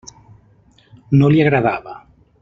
No li agradava.